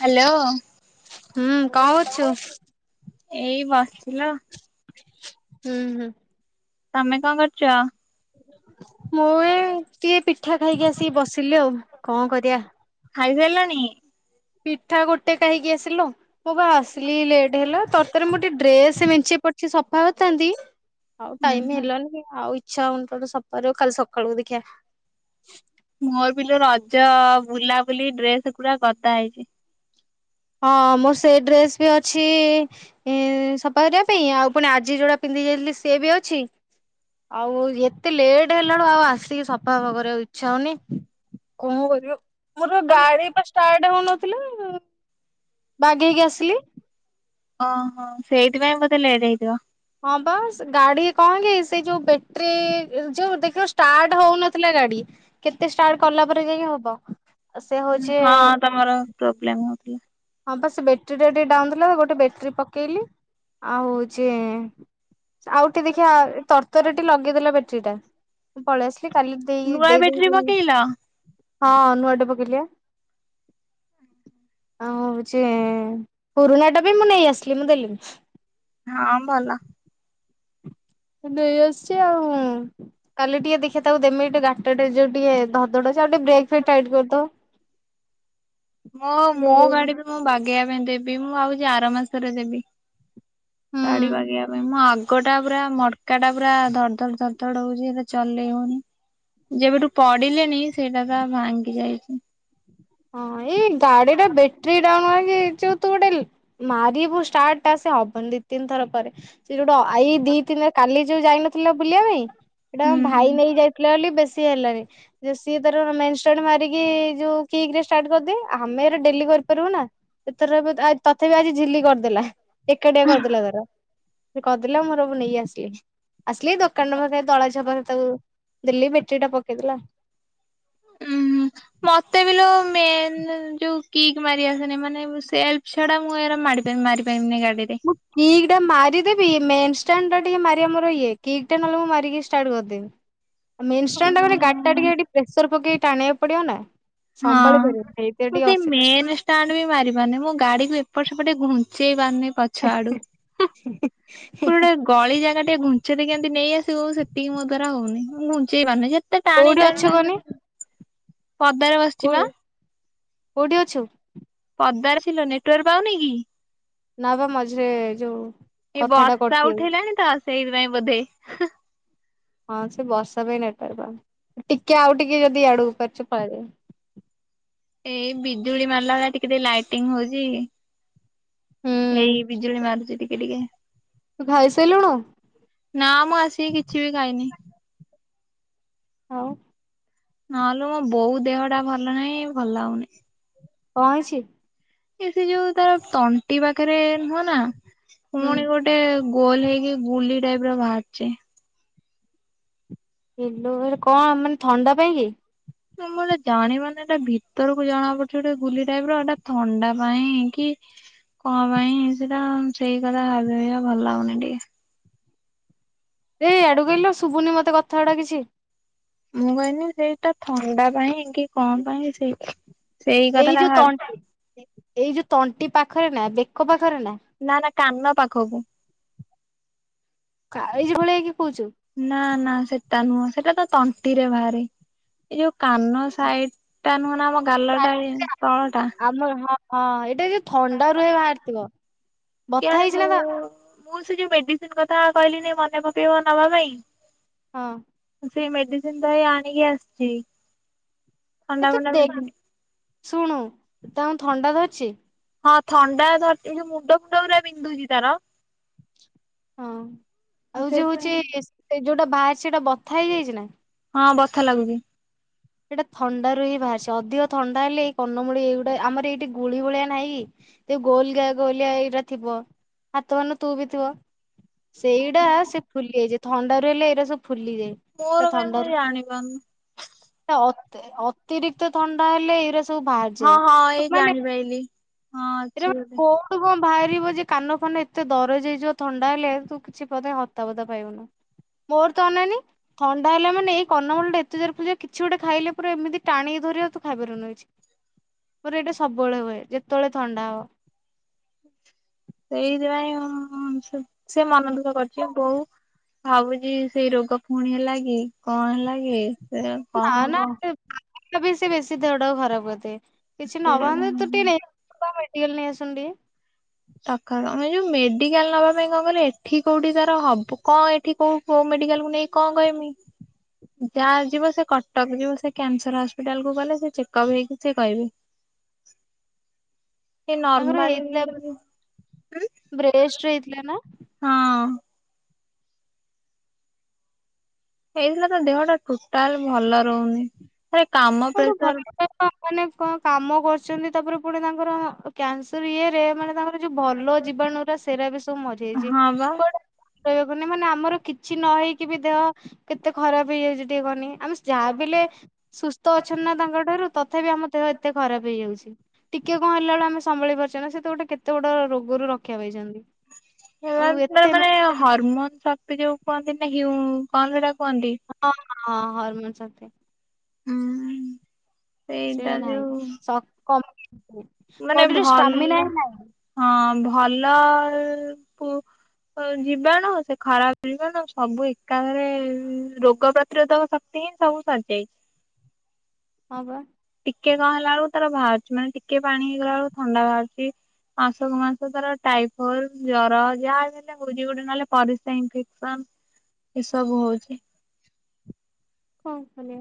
Hello ହୁଁ କଣ କରୁଛୁ? ଏଇ ବସିଥିଲ। ହୁଁ ହୁଁ। ତମେ କଣ କରୁଛ? ମୁଁ ଏ ଟିକେ ପିଠା ଖାଇକି ଆସିକି ବସିଲି ଆଉ କଣ କରିବା? ଖାଇସାରିଲାଣି? ପିଠା ଗୋଟେ କାହିକି ଆସିଲୁ। ମୁଁ ବା ଆସିଲି ଲେଟ ହେଲା। ତର ତର ରେ ମୁଁ ଟିକେ ଡ୍ରେସ ମେଞ୍ଚେଇ ପଡିଚି ସଫା କରିଥାନ୍ତି। ହଉ ହୁଁ ଟାଇମ ହୁଁ ହେଲାନି ଆଉ ଇଚ୍ଛା ହଉନି ତାକୁ ସଫା କରିବାକୁ କାଲି ସକାଳ କୁ ଦେଖିବା। ମୋର ବି ଲୋ ରଜ ବୁଲାବୁଲି ଡ୍ରେସ ପୁରା ଗଦା ହେଇଛି। ହଁ ମୋର ସେଇ ଡ୍ରେସ ବି ଅଛି ଏ ସଫା କରିବା ପାଇଁ ଆଉ ପୁଣି ଆଜି ଯୋଉଟା ପିନ୍ଧି ଯାଇଥିଲି ସିଏ ବି ଅଛି। ଆଉ ଏତେ ଲେଟ୍ ହେଲାଳୁ ଆଉ ଆସିକି ସଫାଫଫା କରିବାକୁ ଇଚ୍ଛା ହଉନି କଣ କରିବ ମୋର ଗାଡି ଷ୍ଟାର୍ଟ ହଉନଥିଲା ବାଗେଇକି ଆସିଲି। ଓହୋ ସେଇଥିପାଇଁ ବୋତେ ଲେଟ୍ ହେଇଥିବ। ହଁ ବାସ୍ ଗାଡି କଣ କି ସେଇ ଯୋଉ ବେଟେରୀ ଯୋଉ ଦେଖିବ ଷ୍ଟାର୍ଟ ହଉନଥିଲା ଗାଡି। କେତେ ଷ୍ଟାର୍ଟ କଲା ପରେ ଯାଇକ ହବ। ସେ ହଉଛି ହଁ ତମର ପ୍ରୋବ୍ଲେମ ହଉଥିଲା। ହଁ ବା ସେ ବ୍ୟାଟେରୀ ଟା ଟିକେ ଡାଉନ ଥିଲା ଗୋଟେ ବ୍ୟାଟେରୀ ପକେଇଲି। ଆଉ ହଉଛି ଆଉଠି ଦେଖିବା ତରତରରେ ଟିକେ ଲଗେଇଦେଲା ବ୍ୟାଟେୀ ଟା ମୁଁ ପଳେଇ ଆସିଲି। ଚାଲି ଦେଇ ନୂଆ ଦେଇ ବ୍ୟାଟେରୀ ଦେଇେଇବି ପକେଇଲ ହଁ ନୂଆଟେ ପକେଇିଲିଆ। ଆଉ ହଉଛି ପୁରୁଣା ଟା ବି ମୁଁ ନେଇ ଆସିଲି ମୁଁ ଦେଲିନି। ହଁ ଭଲ। ଦଇ ଆସିଛି ଆଉ। କାଲି ଟିକେ ଦେଖ ତାକୁ ଦେମି ଟିକେ ଗାଟରେ ଯୋଉ ଟିକେ ଧଡ ଧଡ ହେଉଛି ଆଉ ଟେକେ ବ୍ରେକ୍ ଟିକେ ଟାଇଟ୍ କରିଦେବ। [inaudible] ମୋ ମୋ ଗାଡି ଦେଇଦେଇକି ବି ମୁଁ ବାଗେଇବା ପାଇଁ ଦେବି ମୁଁ ଆଉଛି ଆର ମାସରେ ଦେବି। ଗାଡି ବାଗେଇିବା ପାଇଁ ମୁଁ ଆଗ ଟା ପୁରା ମଡକା ଟା ପୁରା ଧର ଧଡ ଧର ଧଡ ହଉଛି ସେଟା ଚଲେଇ ହଉନି। ଯେବେଠୁ ପଡିଲେଣିି ସେଇଟା ତ ଭାଙ୍ଗି ଯାଇଛି। ହଁ ଏଇ ଗାଡି ଟା ବ୍ୟାଟେରୀ ଡାଉନ ହ କି ଯୋଉ ତୁ ଗୋଟେ ମାରିବୁ ଷ୍ଟାର୍ଟ ଟା ସେ ହବନି ଦି ତିନି ଥର ପରେ ସେ ଯୋଉଟ ଆଇ ଦି ତିନିରେ କାଲି ଯୋଉ ଯାଇନଥିଲା ବୁଲିବା ପାଇଁ ସେଇଟା ଆମ ହୁଁ। ଭାଇ ନେଇ ଯାଇଥିଲା ବୋଲି ବେଶୀ ହେଲଣିି ଯେ ସିଏ ତାର ମେନ୍ ଷ୍ଟାଣ୍ଡ ମାରିକି ଯୋଉ ଠିକ ରେ ଷାଟାର୍ଟ କରିଦେ ଆମେ ଏ ଡେଲି କରିପାରିବୁ ନା। ଏଥର ତଥେ ବି ଆଜି ଝିଲ୍ଲି କରିଦେଲା ଏକାଟିଆ କରିଦେଲା ତାର। ସେ କରିଦେଲା। ମୋର ମୁଁ ନେଇ ଆସିଲି। ଆସିଲି ଦୋକାନ ଦଳା ଝବ ତାକୁ ଦେଲି ବେଟେରୀ ଟା ପକେଇଦେଲା। ଉୁଁ ହ ମତେ ବି ମ ଯୋଉ କିିକ ମାରି ଆସନି ମାନେ ସେଲ୍ଫ ଛଡା ମୁଁ ମା ମାରି ପାରିବିନି ଗାଡ଼ିରେ। କିିକ୍ ଟା ମାରିଦେବି ମେନ୍ ଷ୍ଟାଣ୍ଡ ଟା ଟିକେ ମାରିବା ମୋର ଇଏ କିିକ ଟା ନହେଲେ ମୁଁ ମାରିକି ଷ୍ଟାର୍ଟ କରିଦେବି। ମେନ୍ ହଁ। ଷ୍ଟାଣ୍ଡ ଟା ମାନେ ଗାଡି ଟାକେ ଏଟି ପ୍ରେସର ପକେଇକି ଟାଣିବାକୁ ପଡିବ ନା। ସମ୍ଭଳି ପରିବ ସେଇଥିଆ ମୁଁ ଟିକେ ସେଇ ଅସେ ମେନ୍ ଷ୍ଟାଣ୍ଡ ବି ମାରି ପାରୁନି ମୁଁ ଗାଡି କୁ ଏପଟ ସେପଟେ ଘୁଞ୍ଚେଇ ପାରୁନି। ଆଡୁ। ହ। ଗୋଟେ ଗଳି ଜାଗାଟେ ଘୁଞ୍ଚେଇ ଦେଇିକିମିତି ନେଇଆସିବ ସେତିକି ମୋ ଦ୍ବାରା ହଉନି ମୁଁ ଘୁଞ୍ଚେଇ ପାରୁନି। ଏତେ ଟାଣି କୋଉଠି ଟାଣି ଅଛୁ ଟାଣି କହନି ପଦାରେ ବ କୋଉ କୋଉଠି ଅଛୁ। ପଦାରେ ଥିଲ ନେଟୱାର୍କ ପାଉନି କି? ନବା ମଝିରେ ଯୋଉ ଏଇ କଥା ଟା ବର୍ଷା କଟିଯାଉ ଉଠେଇଲାଣି ତ ସେଇଥିପାଇଁ ବୋଧେ। ହଁ ସେ ବର୍ଷା ପାଇଁ ନେଟୱାର୍କ ପାଉନି। ଟିକେ ଆଉ ଟିକେ ଯଦି ଆଡକୁ ପାରୁଛ ପଳେଇା ଏଇ ବିଜୁଳି ମାରଲା ଭଲିଆ ଟିକେ ଲାଇଟିଂ ହଉଚି। ହୁଁ ଏଇ ବିଜୁଳି ମାରୁଛି ଟିକେ ଟିକେ। ତୁ ଖାଇସାରିଲୁଣୁ? ନା ମୁଁ ଆସିକି କିଛି ବି ଖାଇନି। ହଉ। ନହେଲେ ମୋ ବୋଉ ଦେହ ଟା ଭଲ ନାହିଁ ଭଲ ହଉନି। କ ହେଇଛି? ଏ ସେ ଯୋଉ ତାର ତଣ୍ଟି ପାଖରେ ନୁହଁ ନା ହୁଁ କୁମଣି ଗୋଟେ ଗୋଟେ ଗୋଲ ହେଇକି ଗୁଲି ଟାଇପ ର ବାହାରିଛି। କିଲୋ ଏ କଣ ମାନେ ଥଣ୍ଡା ପାଇଁ କି? ମୁଁ ଏଟା ଜାଣ ମାନ ଏଇଟା ଭିତରକୁ ଜଣା ପଡୁଛି ଗୋଟେ ଗୁଲି ଟାଇପ ର ଏଟା ଥଣ୍ଡା ପାଇଁ କି କଣ ପାଇଁ ସେଟା ସେଇ କଥା ଭାବି ହଇିବା ଭଲ ହାଗନି ଟିକେ। ଏଇ ଆଆଡୁ କହିଲ ଶୁଭୁନି ମତେ କଥା ଗୁଡା କିଛି। ମୁଁ କହଲି ସେଇଟା ଥଣ୍ଡା ପାଇଁ କି କଣ ପାଇଁ ସେଇଟା। ଏଇ ଯୋଉ ତଣ୍ଟି ଏଇ ଯୋଉ ତଣ୍ଟି ପାଖରେ ନା ବେକ ପାଖରେ ନା। ନା ନା କାନ ପାଖକୁ। କାଜି ଭଳିଆଇକି କହୁଛୁ। ନା ନା ସେଟା ନୁହଁ ସେଟା ତ ତଣ୍ଟିରେ ବାହାରି ଏଇ ଯୋଉ କାନ। ସାଇଟ ଟା ନୁହେଁ ନା ଆମ ଗାଲଟା ତଳ ଟା। ଆମର ହଁ। ହଁ ଏଇଟା ଯ ଥଣ୍ଡା ରୁହେ ବାହାରିଥିବ। ବଥା ହେଇଛି ମୁ ନା ତା ମୁଁ ସେ ଯୋଉ ମେଡିସିନ କଥା କହିଲି ମନେ ପକେଇବ ନବା ପାଇଁ। ହଁ। ସେଇ ମେଡିସିନ ତ ଆଣିକି ଆସିଛି। ଏ ଥଣ୍ଡା ତୁ ଫଣ୍ଡା ଦେଖ ମେଡିସିନ ଶୁଣୁ ତା ଥଣ୍ଡା ତ ଅଛି। ହଁ ଥଣ୍ଡା ଯୋଉ ମୁଣ୍ଡ ଫୁଣ୍ଡ ପୁରା ବିନ୍ଧୁଛି ତାର। ହଁ ଆଉ ଯୋଉ ସେଥିପାଇଁ ହଉଛି ସେ ଯୋଉଟା ବାହାରିଛି ସେଟା ବଥା ହେଇଯାଇଛି ନା। ହଁ ବଥା ଲାଗୁଛି। ସେଇଟା ଥଣ୍ଡାରୁ ର ହିଁ ବାହିଛି ଅଧିକ ଥଣ୍ଡା ହେଲେ ଏଇ କନମୂଳି ଏଇ ଗୋଟେ ଆମର ଏଇଠି ଗୁଳି ଭଳିଆ ନାହିଁ। ତ ଗୋଲ ଗ ଗୋଳିଆ ଏଇଟା ଥିବ ହାତମାନ ତୁ ବି ଥିବ। ସେଇଟା ସେ ଫୁଲି ଯାଇଛି ଥଣ୍ଡା ର ହେଲେ ଏଇଟା ସବୁ ଫୁଲିଯାଏ। ପୁରା ମୋର କାଇଁ ମୁ ଥଣ୍ଡାରୁ ଜାଣି ପାରୁନି। ଅତିରିକ୍ତ ଥଣ୍ଡା ହେଲେ ଏଇରା। ସବୁ ବାହାରି ଯାଏ ହଁ ହଁ ତ ଏଇ ମାନେ। ଜାଣିପାଇଲି ହଁ ଅଛି ବୋଧେ ତୁ କଣ ବାହାରିବ ଯେ କାନ ଫାନ ଏତେ ଦରଜ ହେଇଯିବ ଥଣ୍ଡା ହେଲେ ତୁ କିଛି ହତାବତା ପାଇବୁନୁ। ମୋର ତ ଅନାନି ଥଣ୍ଡା ହେଲା ମାନେ ଏଇ କରନମୂଳ ଟା ଏତେ ଜରେ ବିନ୍ଧୁଛି। କିଛି ଗୋଟେ ଖାଇଲେ ପୁରା ଏମିତି ଟାଣିିକ ଧରିବା ତୁ ଖାଇ ପାରିବୁନୁକିଛି। ପରେ ଏଇଟା ସବୁବେଳେ ହୁଏ ଯେତେବେଳେ ଥଣ୍ଡା ହବ। ସେଇଥିପାଇଁ ସେ ମନ ଦୁଃଖ କରିଛି ବୋଉ। ଭାବୁଛି ସେଇ ରୋଗ ପୁଣି ହେଲା କି କଣ ହେଲା କି। ସେ ନା କଣ ନା ହବ ବି ସେ ବେଶୀ ଦେହଟାକୁ ଖରାପ କରିଥାଏ କିଛି ନବାଧ ତୁ ସେ ଟେ। ମେଡିକାଲ ନେଇ ଆସୁନୁ ଟିକିଏ। ତକାର ଆମେ ଯୋଉ ମେଡିକାଲ ନବା ପାଇଁ କଣ କଲେ ଏଠି କୋଉଠି ତାର ହବ କଣ ଏଠି କୋଉ। କୋଉ ମେଡିକାଲ କୁ ନେଇ କଣ କହିବି। ଯାହା ଯିବ ସେ କଟକ ଯିବ ସେ କ୍ୟାନସର ହସ୍ପିଟାଲ କୁ ଗଲେ ସେ ଚେକଅପ୍ ହେଇକି ସେ କହିବେ। ସେ ତାଙ୍କର ହେଇଥିଲା ନର୍ମାଲ। ବ୍ରେଷ୍ଟ ରେ ହେଇଥିଲା ନା। ହଁ। ହେଇଥିଲା ତ ଦେହ ଟା ଟୋଟାଲ ଭଲ ରହୁନି। ରେ କାମ। କଉଠୁ ପ୍ରେସର ଭଲ। ମାନେ କଣ କାମ କରୁଛନ୍ତି ତାପରେ ପୁଣି ତାଙ୍କର କ୍ୟାନସର ଇଏ ରେ ମାନେ ତାଙ୍କର। ଯୋଉ ଭଲ ଜିବାଣୁୁରା ସେଇଟା ବି ସବୁ ମଜା ହେଇଛି ହଁ ବା କୁଆଡେ। ରହିବାକୁନି ମାନେ ଆମର କିଛି ନ ହେଇକି ବି ଦେହ କେତେ ଖରାପ ହେଇଯାଉଛି ଟିକେ କହନି। ଆମେ ଯାହା ବିହେଲେ ସୁସ୍ଥ ଅଛନ୍ତି ନା ତାଙ୍କ ଠାରୁ ତଥାପି ଆମ ଦେହ ଏତେ ଖରାପ ହେଇଯାଉଛି। ଟିକେ କଣ ହେଲା ବେଳେ ଆମେ ସମ୍ଭାଳି ପାରୁଛେ ନା ସେତ ଗୋଟେ କେତେ ବଡ ରୋଗରୁ ରକ୍ଷା ପାଇଛନ୍ତି। ହେଲା ଆଉ ଏତେ ମାନେ ହରମୋନ ଶକ୍ତି ଯୋଉ କୁହନ୍ତି ନା ହ କଣ ସେଟା କୁହନ୍ତି। ହଁ ହଁ ହଁ ହର୍ମୋନ୍ ଶକ୍ତି। ହୁଁ। ସେୟା ନାହିଁ ମାନେ ବଡିର ଷ୍ଟାମିନା ଭଲ ହଁ ନାହିଁ। ହଁ ଭଲ। ଯିବାଣୁ, ସେ ଖରାପ ଯିବାଣୁ ସବୁ ଏକା ଥରେ ରୋଗ ପ୍ରତିରୋଧକ। ସେ ସବୁ ସରିଜଇଛି। ହଁ ବା। ଟିକେ କଣ ହେଲା ଵେଲୁକୁ ତାର ବାହାରୁଛି। ମାନେ ଟିକେ ପାଣି ହେଇଗଲା ବେଳକୁ ଥଣ୍ଡା ବାହାରୁଛି। ମାସକୁ ମାସ ତାର ଟାଇଫଏଡ ଜର ଯାହା ବି ହେଲେ ହଉଚି, ଗୋଟେ ନହେଲେ ପରିସା ଇନଫେକ୍ସନ ଏସବୁ ହଉଛି। କଣ କଲେ?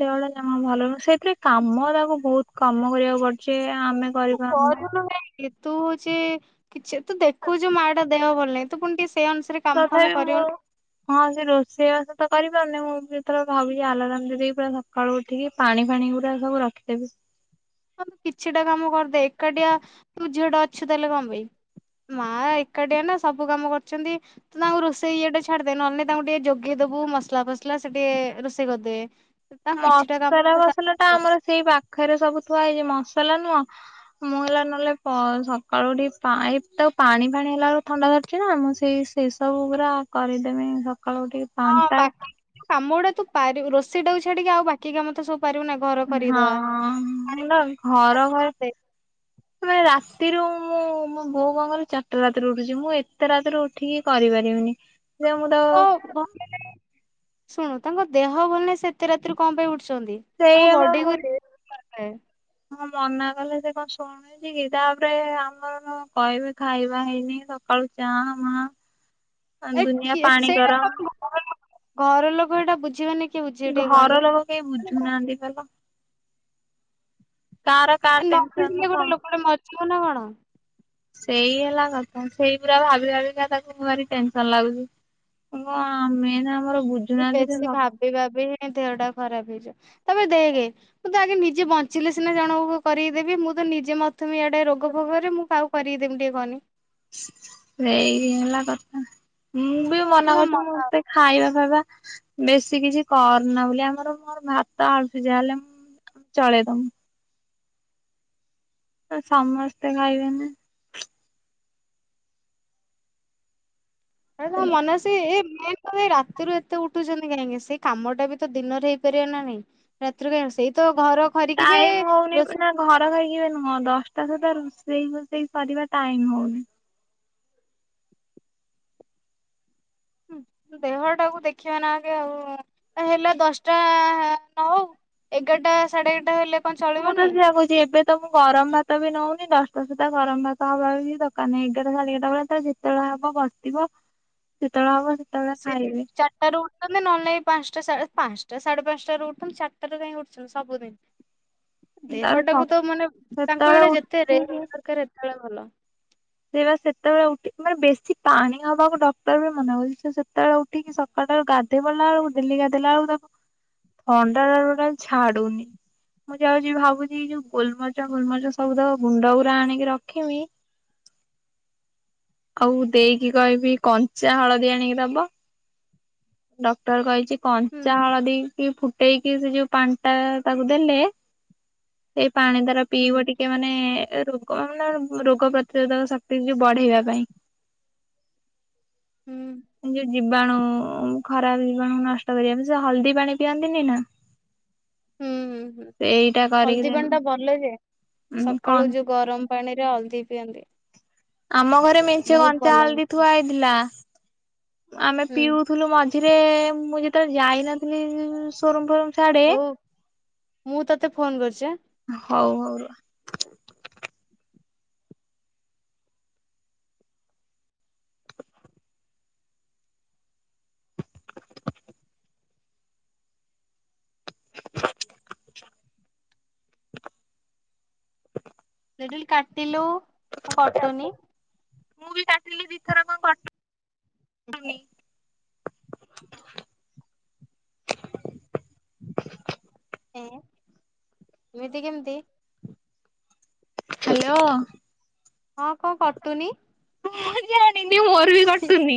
ଦେହଟା ଜମା ଭଲ ନୁହେଁ। ସେଇଥିରେ କାମ ତାକୁ ବହୁତ କାମ କରିବାକୁ ପଡୁଛି ଆମେ ତୁ କରିପାରୁନୁ। କରୁନୁ କାଇଁ। ଏ ତୁ ହଉଛି କିଛି, ତୁ ଦେଖୁଛୁ ମା ଟା ଦେହ ଭଲ ନାହିଁ ତୁ ପୁଣି ଟିକେ ସେଇ ଅନୁସାରେ କାମ ଫାମ ତଥାପି ମୁଁ କରିବୁ ନା। ହଁ ସେ ରୋଷେଇବାସ ତ କରିପାରୁନି। ମୁଁ ଯେତେବେଳେ ଭାବୁଛି ଆଲାରାମ ଦେଇକି ପରୁ ସକାଳୁ ଉଠିକି ପାଣି ଫାଣି ପୁରା ସବୁ ରଖିଦେବି। ହ କିଛିଟା କାମ କରିଦେ, ଏକାଟିଆ ତୁ ଝିଅ ଟା ଅଛୁ ତାହେଲେ କଣ ପାଇଁ। ମା ଏକାଟିଆ ନା ସବୁ କାମ କରୁଛନ୍ତି। ତୁ ତାଙ୍କୁ ରୋଷେଇ ଇଏଟା ଛାଡିଦେ। ନହେଲେ ନାଇଁ ତାଙ୍କୁ ଟିକେ ଜୋଗେଇଦବୁ ମସଲା ଫସଲା ସେ ଟିକେ ରୋଷେଇ କରିଦେବେ। ତାଙ୍କୁ କିଛିଟା କାମ ମସଲା ତ ସାହାଯ୍ୟ ଫସଲା ଟା କର। ଆମର ସେଇ ପାଖରେ ସବୁ ଥୁଆ ହେଇଛି ମସଲା ନୁହଁ। ମୁଁ ହେଲା ନହେଲେ ପ ସକାଳୁ ଉଠିକି ପାଇପ ତ ପାଣି ଫାଣି ହେଲା ବେଳକୁ ଥଣ୍ଡା ଧରିଛି ନା ମୁଁ ସେଇ ସେ ସବୁ ପୁରା କରିଦେମି ସକାଳୁ ଉଠିକି। ହଁ ପାଣିଟା ବାକି କାମ ଗୁଡା ତୁ ପାରି ରୋସେଇ ଟା ଛାଡିକି ଆଉ ବାକି କାମ ତ ସବୁ ପାରିବୁ ନା। ଘର ହଁ ଖରିଦବା। ଆରେ ନା ଘର ତାଙ୍କ ଘରେ ମାନେ ରାତିରୁ ମୁଁ ମୋ ବୋଉ କଣ କରେ ଚାରିଟା ରାତିରୁ ଉଠୁଛି। ମୁଁ ଏତେ ରାତିରେ ଉଠୁ ଠିକି କରିପାରିବିନି। ଯେ ମୁଁ ତାକୁ ଶୁଣୁ ତାଙ୍କ ଦେହ ଭଲ ନାହି ସେ ଏତେ ରାତିରେ କଣ ପାଇଁ ଉଠୁଛନ୍ତି। ଆଙ୍କ ସେଇଆ ବା ବଡି ମୁଁ କୁ ରେଷ୍ଟ ଦରକାର। ହଁ ମନା କଲେ ସେ କଣ ଶୁଣ ଛି କି, ତାପରେ ଆମର କହିବି ଖାଇବା ହେଇନି ସକାଳୁ ଚା ମାହା ଅ ଏ ଦୁନିଆ କିଏ ପାଣି ସେଇଟା ତମ ଗରମ। ଘର ଲୋକ ଏଇଟା ବୁଝିବେନି କିଏ ବୁଝିବେ ଟିକେ ଘର କହନି। ଲୋକ କେହି ବୁଝୁନାହାନ୍ତି ବଲୋ। କାର କା ଟେନସନ ର ସମ୍ କୁ ନା କଣ। ସେଇ ହେଲା କଥା। ସେଇ ପୁରା ଭାବି ଭାବିକା ତାକୁ ମୁଁ ଭାରି ଟେନସନ ଲାଗୁଛି। ଆ ମେନା ଆମର ବୁଝ୍ ସେ ବେଶୀ ଭାବି ଭାବି ହିଁ ଦେହ ଟା ଖରାପ ହେଇଯିବ। ତାପରେ ଦେଖେ ମୁଁ ତ ଆଗେ ନିଜେ ବଞ୍ଚିଲେ ସିନା ଜଣଙ୍କୁ କରିକି ଦେବି। ମୁଁ ତ ନିଜେ ମତେ ଇଆଡେ ରୋଗ ଫୋଗରେ ମୁଁ କାହାକୁ କରିକି ଦେମୀ ଟିକେ କହନି। ସେଇ ହେଲା କଥା। ମୁଁ ବି ତ ମନା ତା କରୁଛି ମନ ମତେ ଖାଇବା ଫାଇବା ବେଶୀ କିଛି କରନା ବୋଲି। ଆମର ମୋର ଭାତ ଆଳୁ ସିଯା ହେଲେ ମୁ ଚଳେଇଦମୁ। ତ ସମସ୍ତେ ଖାଇବେନି। ହେରା ତାଙ୍କୁ ସେଇଆ ମନା ସେ ଏ ମେନ୍ ରାତିରୁ ଏତେ ଉଠୁଛନ୍ତି କାହିଁକି। ସେଇ କାମଟା ବି ତ ଦିନରେ ହେଇପାରିବ ନା ନାଇଁ। ରାତିରୁ କାଇଁ ଉଠୁ ସେଇ ତ ଘର ଖରିକିିବେ ଟାଇମ ହଉନି ରୋଷେ ନା ଘର ଖରିକିବ ନୁହଁ। ଦଶଟା ସୁଧା ରୋଷେଇ ଫୋଷେଇ ସରିବା ଟାଇମ ହଉନି। ହୁଁ ଦେହ ଟାକୁ ଦେଖିବା ନା ଆଗ ଆଉ। ହେଲା ଦଶଟା ନ ହଉ। ଏଗାରଟା ସାଢେ ଏଗାରଟା ହେଲେ କଣ ମୁଁ ତ ଚଳିବନି ସେଇଆ କହୁଛି ଏବେ ତ ମୁଁ ଗରମ ଭାତ ବି ନଉନି। ଦଶଟା ସୁଦ୍ଧା ଗରମ ଭାତ ହବା ବି କିଛି ଦରକାର ନାହିଁ ଏଗାରା ସାଢେ ଏଗାରଟା ବେଳେ ତା ଯେତ ଯେତେବେଳେ ହବ ବସିଥିବ ସେତେବେଳେ ହବ ସେ ସେ ଚା ଟାରୁ ଉଠୁଛନ୍ତି ନହେଲେ ପାଞ୍ଚଟା ସାଢ଼େ ପାଞ୍ଚଟା ସାଢେ ପାଞ୍ଚଟା ର ଉଠୁଛନ୍ତି ଚାରାଟରେ କାଇଁ ଉଠୁଛନ୍ତି ସବୁଦିନ। [inaudible] ଦେହ ତାର ସ ଟାକୁ ତ ମାନେ ତାଙ୍କୁ ସେତେବେଳେ ଜଣେ ଯେତେ ରେ ଉଠିକି ଦରକାର ସେତେବେଳେ ଭଲ। ସେଇ ବା ସେତେବେଳେ ଉଠି ମାନେ ବେଶୀ ପାଣି ହବାକୁ ଡକ୍ଟର ବି ମନାେ କରଉଛି ସେତେବେଳେ ଟିକେ ସକାଳୁାରୁ ଗାଧୋଇ ବଲା ବେଳକୁ ଡେଲ୍ଲି ଗାଧୋଇଲା ବେଳକୁ ତାକୁ ଥଣ୍ଡା ଟା ଛାଡୁନି। ମୁଁ ଯାଉଛି ଭାବୁଛିି ଯୋଉ ଗୋଲମଚ ଗୋଲମଚ ସବୁଦ ଗୁଣ୍ଡ ଗୁୁରା ଆଣିକି ରଖମି। ଆଉ ଦେଇକି କହିବି କଞ୍ଚା ହଳଦୀ ଆଣିକି ଦବ। ଡକ୍ଟର କହିଛି ହୁଁ କଞ୍ଚା ହଳଦୀ କି ଫୁ ପଟେଇକି ସେ ଯୋଉ ପାଣି ଟା ତାକୁ ଦେଲେ ସେଇ ପାଣି ଦାରା ହୁଁ ପିଇବ ଟିକେ ମାନେ ରୋଗ ମାନେ ରୋଗ ପ୍ରତିରୋଧକ ଶକ୍ତି ଯ ବଢେଇବା ପାଇଁ। [inaudible] ହୁଁ। ଯୋଉ ଜୀବାଣୁ ଖରାପ ଜୀବାଣୁ ନଷ୍ଟ କରିବା ପାଇଁ ସେ ହଳଦୀ ପାଣି ପିଅନ୍ତିନି ନା। ହୁଁ ହୁଁ ହୁଁ ସେଇଟା କରିକି ହଳଦୀ ଦେମି। ପାଣି ଟା ଭଲ ଯେ ଉଁ ସକାଳୁ କନ୍ ଯୋଉ ଗରମ ପାଣି ରେ ହଳଦି ପିଅନ୍ତି। ଆମ ଘରେ ମେଞ୍ଚେ ବହୁତ କଞ୍ଚା ଭଲ ହଳଦୀ ଜିନିଷ। ଥୁଆ ହେଇଥିଲା ଆମେ ହୁଁ ପିଉଥିଲୁ ମଜା ସେଥିରେ ମୁଁ ଯେତେବେଳେ ଯାଇନଥିଲି ସୋରମ୍ପୁର ହଉ ମୁଁ ତତେ ଫୋନ କରୁଛି। ହଉ ହଉ। [unintelligible] ଲେଡୁ କାଟିଲୁ କଣ କଟୁନି। ମୁଁ ବି କାଟିଲି ଦି ଥର କଣ କଟୁ ହୁଁ ଏମିତି କେମିତି? ହ୍ୟାଲୋ। ହଁ କଣ କରଟୁନି? ହ ଜାଣି ନି ମୋର ବି କଟୁନି।